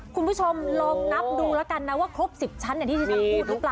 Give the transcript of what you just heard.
คุณผู้ชมลองนับดูแล้วกันนะว่าครบ๑๐ชั้นอย่างที่ที่ฉันพูดหรือเปล่า